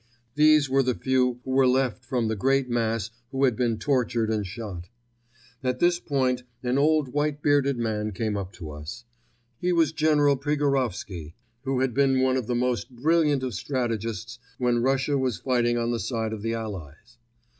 These were the few who were left from the great mass who had been tortured and shot. At this point an old white bearded man came up to us; he was General Prigorowsky, who had been one of the most brilliant of strategists when Russia was fighting on the side of the Allies.